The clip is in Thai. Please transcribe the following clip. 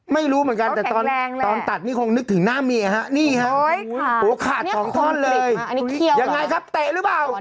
ไม่รู้เหมือนกันแต่ตอนตัดนี่คงนึกถึงหน้าเมียฮะนี่ฮะหัวขาดสองท่อนเลยยังไงครับเตะหรือเปล่า